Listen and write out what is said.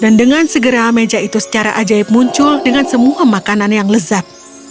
dan dengan segera meja itu secara ajaib muncul dengan semua makanan yang lezat